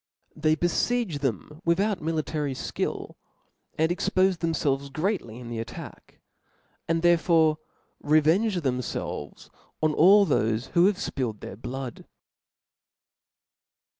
They befiege them without military fkill, and expofe themfelvcs greatly in the attack 5 and therefore revenge themfelvcs on all thofe who have fpilt their blood.